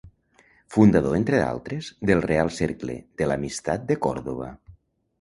Fundador entre altres del Reial Cercle de l'Amistat de Còrdova.